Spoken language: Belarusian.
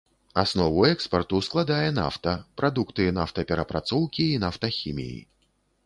Аснову экспарту складае нафта, прадукты нафтаперапрацоўкі і нафтахіміі.